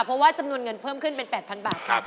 เพราะว่าจำนวนเงินเพิ่มขึ้นเป็น๘๐๐บาทครับ